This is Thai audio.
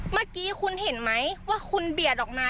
เมื่อกี้คุณเห็นไหมว่าคุณเบียดออกมา